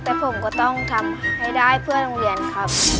แต่ผมก็ต้องทำให้ได้เพื่อโรงเรียนครับ